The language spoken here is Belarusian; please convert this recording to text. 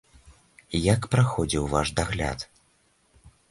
Як праходзіў ваш дагляд?